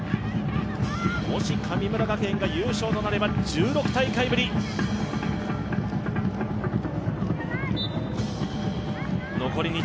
もし、神村学園が優勝となれば１６大会ぶり。